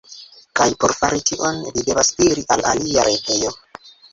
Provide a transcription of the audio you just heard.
Kaj por fari tion, vi devas iri al alia retejo.